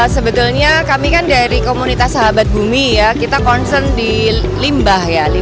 sebetulnya kami kan dari komunitas sahabat bumi ya kita concern di limbah ya